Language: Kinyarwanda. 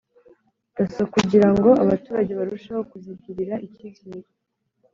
Dasso kugira ngo abaturage barusheho kuzigirira icyizere